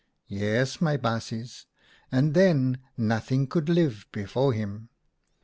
" Yes, my baasjes, and then nothing could live before him.